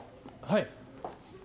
はい。